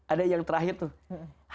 ada yang terakhir tuh